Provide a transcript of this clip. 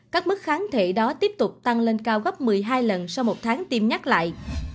các mức kháng thể đó tiếp tục tăng lên cao gấp một mươi hai lần sau một tháng tiêm nhắc lại